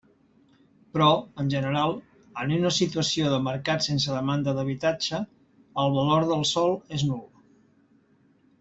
Però, en general, en una situació de mercat sense demanda d'habitatge, el valor del sòl és nul.